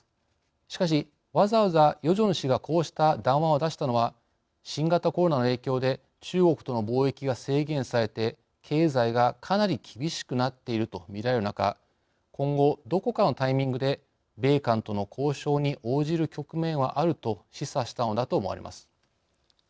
しかし、わざわざヨジョン氏がこうした談話を出したのは新型コロナの影響で中国との貿易が制限されて経済がかなり厳しくなっているとみられる中今後、どこかのタイミングで米韓との交渉に応じる局面はあると示唆したのだと思われます。